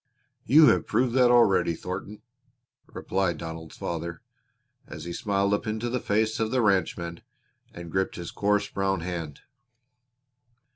"You have proved that already, Thornton," replied Donald's father, as he smiled up into the face of the ranchman and gripped his coarse brown hand.